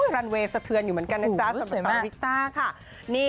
รันเวย์สะเทือนอยู่เหมือนกันนะจ๊ะสำหรับสาวริต้าค่ะ